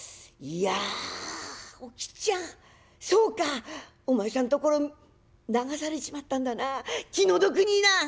「いやおきっちゃんそうかお前さんところ流されちまったんだな気の毒にな」。